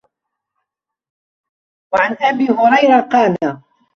وَعَنْ أَبِي هُرَيْرَةَ قَالَ